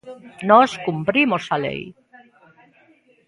Nós cumprimos a lei.